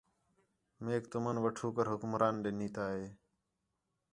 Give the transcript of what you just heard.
میک تُمن وٹھو کر حکمران ݙے نیتا ہِے